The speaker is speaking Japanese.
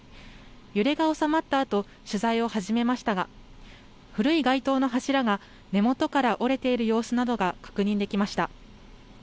揺れが収まったあと、取材を始めましたが、古い街灯の柱が根元から折れている様子などが確認できました。